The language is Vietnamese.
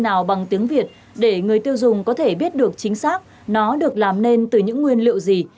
thế nào bằng tiếng việt để người tiêu dùng có thể biết được chính xác nó được làm nên từ những nguyên liệu gì